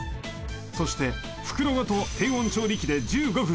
そして袋ごと低温調理器で１５分